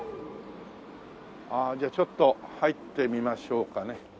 ああじゃあちょっと入ってみましょうかね。